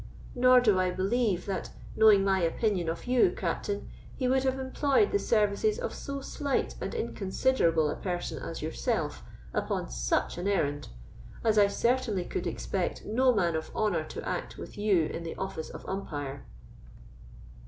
Nor do I believe that, knowing my opinion of you, Captain, he would have employed the services of so slight and inconsiderable a person as yourself upon such an errand, as I certainly could expect no man of honour to act with you in the office of umpire."